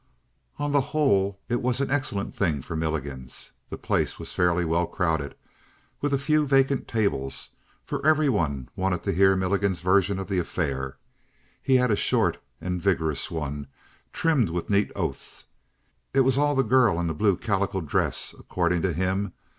On the whole, it was an excellent thing for Milligan's. The place was fairly well crowded, with a few vacant tables. For everyone wanted to hear Milligan's version of the affair. He had a short and vigorous one, trimmed with neat oaths. It was all the girl in the blue calico dress, according to him.